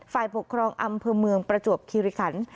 ภายปกครองอำเภอมื้องประจวบคิวเรขัน